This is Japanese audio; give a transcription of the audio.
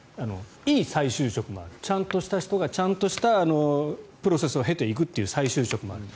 いい再就職もあるちゃんとした人がちゃんとしたプロセスを経て行くという再就職もあると。